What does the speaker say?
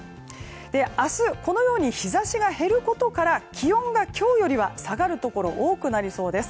明日、このように日差しが減ることから気温が今日よりは下がるところが多くなりそうです。